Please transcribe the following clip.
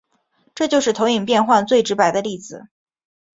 这就是投影变换最直白的例子。